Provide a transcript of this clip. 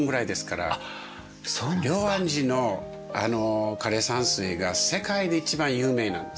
龍安寺の枯山水が世界で一番有名なんです。